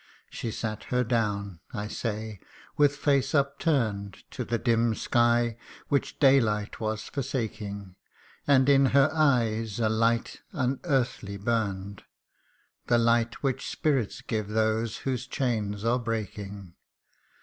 She sat her down, I say, with face upturn'd To the dim sky, which daylight was forsaking, And in her eyes a light unearthly burn'd The light which spirits give whose chains are breaking